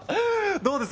どうです？